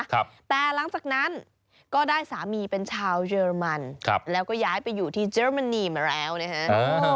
ครับแต่หลังจากนั้นก็ได้สามีเป็นชาวเยอรมันครับแล้วก็ย้ายไปอยู่ที่เยอรมนีมาแล้วนะฮะ